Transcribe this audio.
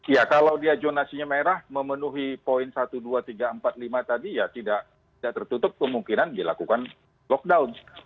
ya kalau dia jonasinya merah memenuhi poin satu dua tiga empat lima tadi ya tidak tertutup kemungkinan dilakukan lockdown